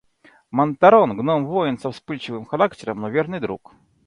Монтарон, гном-воин с вспыльчивым характером, но верный друг.